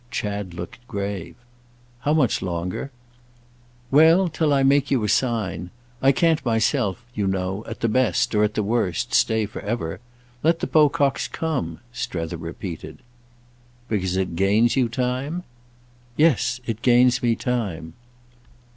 Chad looked grave. "How much longer?" "Well, till I make you a sign. I can't myself, you know, at the best, or at the worst, stay for ever. Let the Pococks come," Strether repeated. "Because it gains you time?" "Yes—it gains me time."